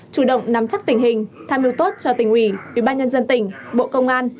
chủ động nắm chắc tình hình tham mưu tốt cho tỉnh ủy ủy ban nhân dân tỉnh bộ công an